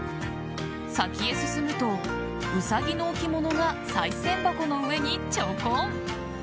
先へ進むとウサギの置物がさい銭箱の上にちょこん。